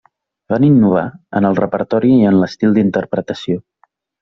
Van innovar en el repertori i en l'estil d'interpretació.